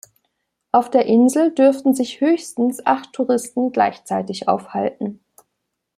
Auf der Insel dürfen sich höchstens acht Touristen gleichzeitig aufhalten.